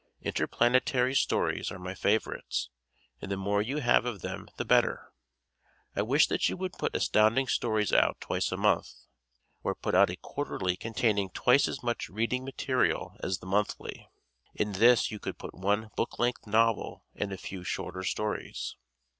Interplanetary stories are my favorites, and the more you have of them the better. I wish that you would put Astounding Stories out twice a month or put out a quarterly containing twice as much reading material as the monthly. In this you could put one book length novel and a few shorter stories.